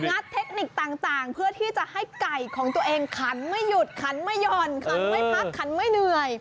เทคนิคต่างเพื่อที่จะให้ไก่ของตัวเองขันไม่หยุดขันไม่ห่อนขันไม่พักขันไม่เหนื่อย